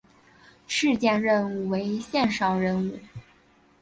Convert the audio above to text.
事件任务为线上任务。